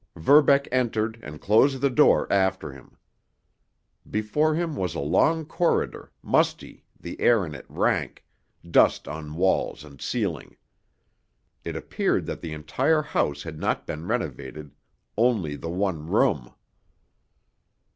Verbeck entered and closed the door after him. Before him was a long corridor, musty, the air in it rank, dust on walls and ceiling. It appeared that the entire house had not been renovated, only the one room.